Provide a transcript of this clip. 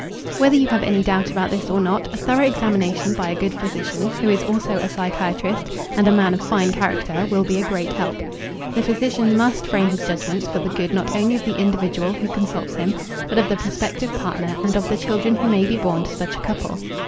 Whether you have any doubt about this or not, a thorough examination by a good physician who is also a psychiatrist and a man of fine character will be a great help. The physician must frame his judgments for the good not only of the individual who consults him, but of the prospective partner, and of the children who may be born to such a couple.